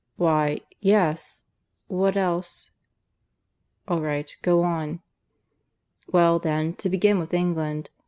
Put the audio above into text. "Why, yes. What else ?" "All right; go on." "Well then, to begin with England.